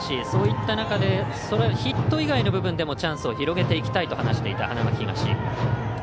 そういった中でヒット以外の部分でもチャンスを広げていきたいと話していた花巻東。